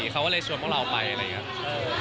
เขาก็เลยชวนพวกเราไปอะไรอย่างนี้